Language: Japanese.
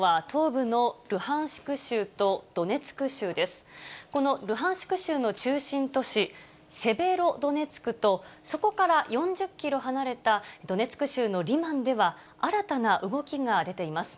このルハンシク州の中心都市セベロドネツクと、そこから４０キロ離れたドネツク州のリマンでは、新たな動きが出ています。